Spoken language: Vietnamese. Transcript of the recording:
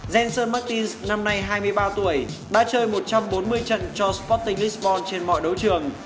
enson martin năm nay hai mươi ba tuổi đã chơi một trăm bốn mươi trận cho sporting lisbon trên mọi đấu trường